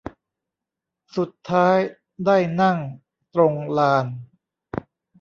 สุดท้ายได้นั่งตรงลาน